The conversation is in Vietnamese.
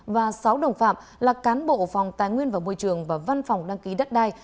và sáu đồng phạm là cán bộ phòng tài nguyên và môi trường và văn phòng đăng ký đất đai